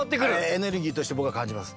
エネルギーとして僕は感じます。